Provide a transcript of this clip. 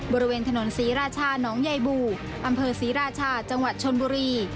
บริเวณถนนศรีราชาน้องใยบูอำเภอศรีราชาจังหวัดชนบุรี